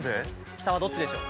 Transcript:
北はどっちでしょう？